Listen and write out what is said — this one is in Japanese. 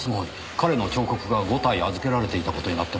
彼の彫刻が５体預けられていた事になってますね。